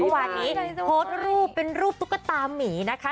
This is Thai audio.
วานนี้โพสต์รูปเป็นรูปตุ๊กตามีนะคะ